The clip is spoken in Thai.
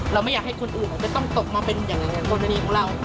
ไม่อยากให้คนอื่นจะต้องตกมาเป็นอย่างกรณีของเรา